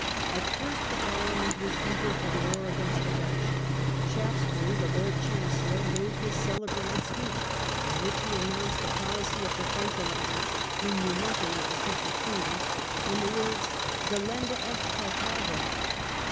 At first the Parliament was eager for the war against the Dutch. Shaftesbury, the Lord Chancellor, made his The Test Celebrated speech, in which he announced Act, 1673. the policy of the French alliance (he knew nothing of the secret treaty) in the words " Delenda est Carthago